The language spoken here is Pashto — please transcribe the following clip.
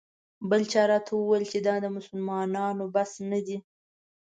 بل چا راته وویل چې دا د مسلمانانو بس نه دی.